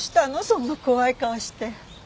そんな怖い顔して。